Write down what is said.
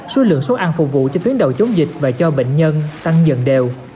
số lượng số ăn phục vụ cho tuyến đầu chống dịch và cho bệnh nhân tăng dần đều